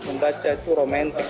membaca itu romantik